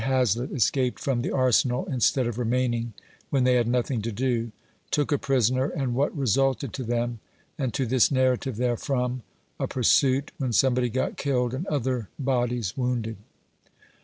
HAZLETT ESCAPED FROM THE ARSENAL, INSTEAD OF REMAINING, WHEN THEY HAD NOTHING TO DO — TOOK A PRISONER, AND WHAT RESULTED TO THEM, AND TO THIS NARRATIVE, THEREFROM A PURSUIT, WHEN SOMEBODY GOT KILLED, AND OTHER BODIES WOUNDED.